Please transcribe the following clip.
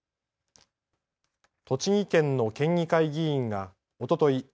栃木県の県議会議員がおととい